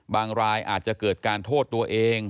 รายอาจจะเกิดการโทษตัวเอง